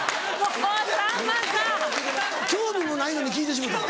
興味もないのに聞いてしもうた。